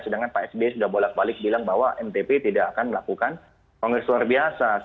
sedangkan pak sby sudah bolak balik bilang bahwa mtp tidak akan melakukan kongres luar biasa